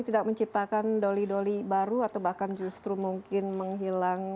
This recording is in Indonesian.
tidak menciptakan doli doli baru atau bahkan justru mungkin menghilang